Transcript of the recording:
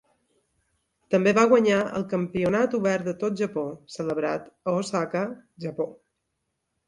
També va guanyar el "Campionat Obert de tot Japó" celebrat a Osaka, Japó.